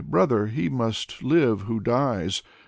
Brother, he must live who dies.